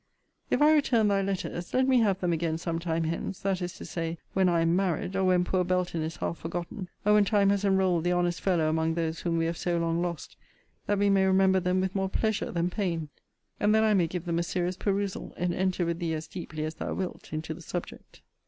If I return thy letters, let me have them again some time hence, that is to say, when I am married, or when poor Belton is half forgotten; or when time has enrolled the honest fellow among those whom we have so long lost, that we may remember them with more pleasure than pain; and then I may give them a serious perusal, and enter with thee as deeply as thou wilt into the subject.